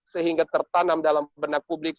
sehingga tertanam dalam benak publik